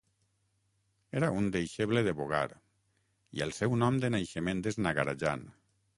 Era un deixeble de Bogar i el seu nom de naixement es Nagarajan.